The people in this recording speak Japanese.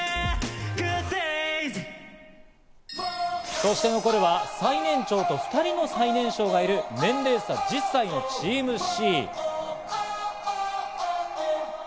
そして残るは、最年長と２人の最年少がいる年齢差１０歳のチームＣ。